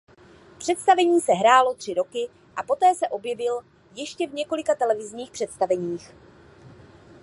Představení se hrálo tři roky a poté se objevil ještě v několika televizních představeních.